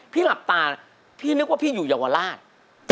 หลับตาพี่นึกว่าพี่อยู่เยาวราช